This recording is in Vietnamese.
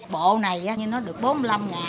bộ này nó được bốn mươi năm ngàn